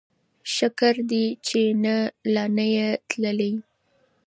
شکر دی چې ته لا نه یې تللی.